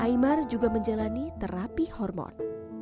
imar juga menjalani terapi hormon